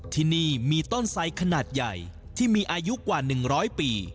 ที่นี่มีต้นไสขนาดใหญ่ที่มีอายุกว่า๑๐๐ปี